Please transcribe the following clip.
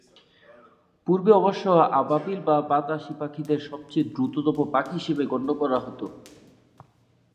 পূর্বে অবশ্য আবাবিল বা বাতাসি পাখিদের সবচেয়ে দ্রুততম পাখি হিসেবে গণ্য করা হত।